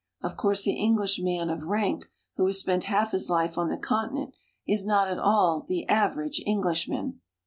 Of course the Englishman of rank, who has spent half his life on the continent, is not at all the average Englishman.